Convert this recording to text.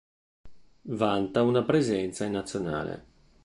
Vanta una presenza in Nazionale.